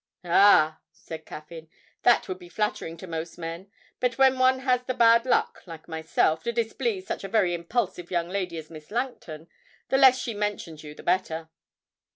'Ah!' said Caffyn; 'that would be flattering to most men, but when one has the bad luck, like myself, to displease such a very impulsive young lady as Miss Langton, the less she mentions you the better.'